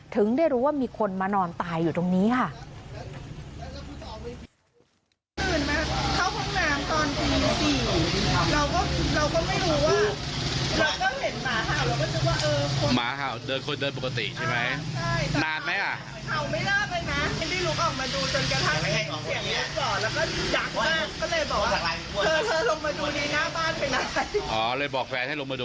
ถึงได้รู้ว่ามีคนมานอนตายอยู่ตรงนี้ค่ะ